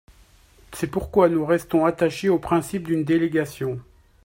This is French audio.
C’est pourquoi nous restons attachés au principe d’une délégation.